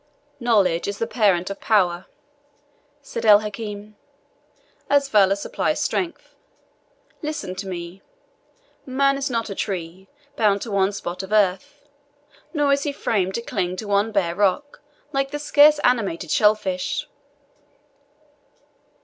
"Knowledge is the parent of power," said El Hakim, "as valour supplies strength. Listen to me. Man is not as a tree, bound to one spot of earth; nor is he framed to cling to one bare rock, like the scarce animated shell fish.